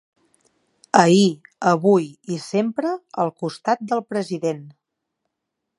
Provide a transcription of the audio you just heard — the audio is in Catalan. Ahir, avui i sempre al costat del president.